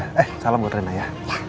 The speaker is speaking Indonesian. eh salam buat rena ya